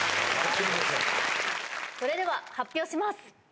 それでは発表します。